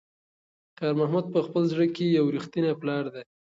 خیر محمد په خپل زړه کې یو رښتینی پلار دی.